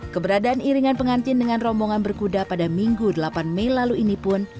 keberadaan iringan pengantin dengan rombongan berkuda pada minggu delapan mei lalu ini pun